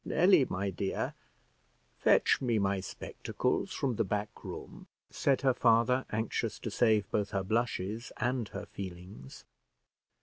"Nelly, my dear, fetch me my spectacles from the back room," said her father, anxious to save both her blushes and her feelings.